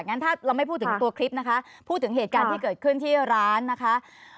งั้นถ้าเราไม่พูดถึงตัวคลิปนะคะพูดถึงเหตุการณ์ที่เกิดขึ้นที่ร้านนะคะ